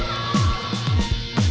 tujuh dua bulan